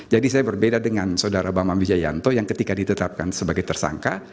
jadi saya berbeda dengan saudara bama mijayanto yang ketika ditetapkan sebagai tersangka